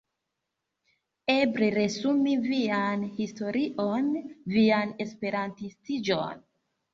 Eble resumi vian historion, vian esperantistiĝon.